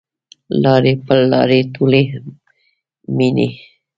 لارې پل لارې ټولي میینې